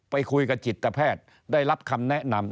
ไปคุยกับจิตแพทย์ได้รับคำแนะนำ